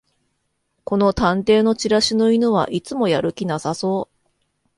この探偵のチラシの犬はいつもやる気なさそう